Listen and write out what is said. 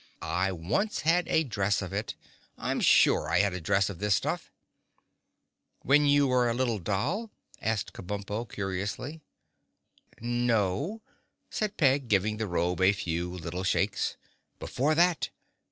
"I once had a dress of it. I'm sure I had a dress of this stuff." "When you were a little doll?" asked Kabumpo curiously. "No," said Peg, giving the robe a few little shakes, "before that.